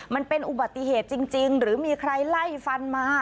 มันเป็นอุบัติเหตุจริงหรือมีใครไล่ฟันมา